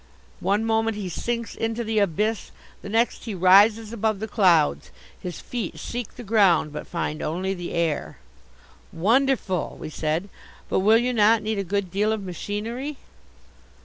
One moment he sinks into the abyss. The next, he rises above the clouds. His feet seek the ground, but find only the air " "Wonderful," we said, "but will you not need a good deal of machinery?"